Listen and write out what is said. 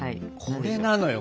これなのよ